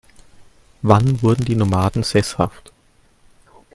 Wann wurden die Nomaden sesshaft?